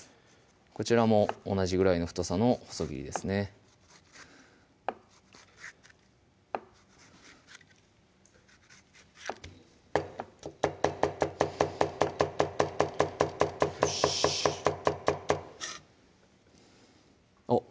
こちらも同じぐらいの太さの細切りですねあっ